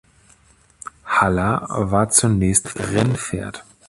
Halla war zunächst Rennpferd.